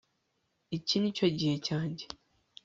iki nicyo gihe cyanjye